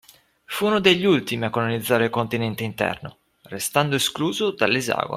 Fu uno degli ultimi a colonizzare il continente interno, restando escluso dall’esagono.